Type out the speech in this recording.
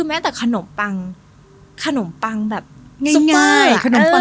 แม้แต่ขนมปังแบบสุมมาก